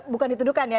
bukan ditudukan ya